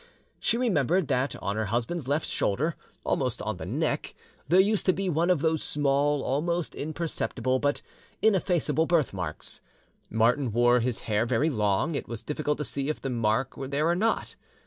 She remembered that on her husband's left shoulder, almost on the neck, there used to be one of those small, almost imperceptible, but ineffaceable birthmarks. Martin wore his hair very long, it was difficult to see if the mark were there or not.